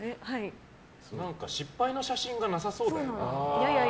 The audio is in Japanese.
失敗の写真がなさそうだよね。